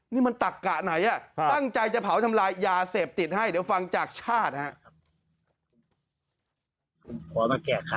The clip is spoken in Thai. นี่มันตักกะไหนตั้งใจจะเผาทำลายยาเสพติดให้เดี๋ยวฟังจากชาติครับ